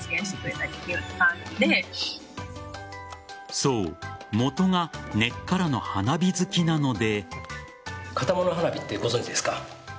そう、元が根っからの花火好きなので。